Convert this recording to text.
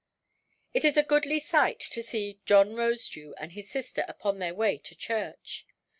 It is a goodly sight to see John Rosedew and his sister upon their way to church.